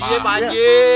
iya pak ji